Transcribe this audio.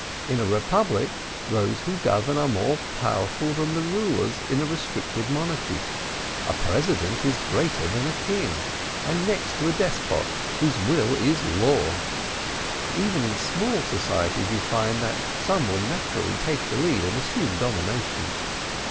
In a republic those who govern are more powerful than the rulers in a restricted monarchy a president is greater than a king, and next to a despot, whose will is law. Even in small societies you find that some will naturally take the lead and assume domination.